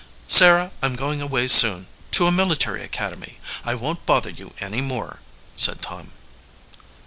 "Sarah, I'm going away soon to a military academy. I won't bother you any more," said Tom.